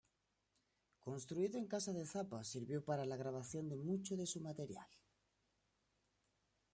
Construido en casa de Zappa, sirvió para la grabación de mucho de su material.